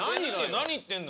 何言ってんの？